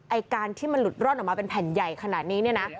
ไอ้การที่มันหลุดร่อนออกมาเป็นแผ่นใหญ่ขนาดนี้เนี่ยนะ